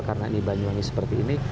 karena ini banyuwangi seperti ini